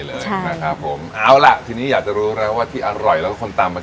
เลยนะครับผมเอาล่ะทีนี้อยากจะรู้แล้วว่าที่อร่อยแล้วก็คนตามมา